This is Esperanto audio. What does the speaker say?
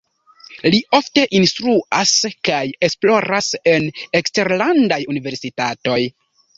Li ofte instruas kaj esploras en eksterlandaj universitatoj.